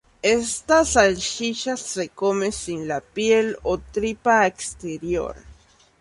Esta salchicha se come sin la piel o tripa exterior.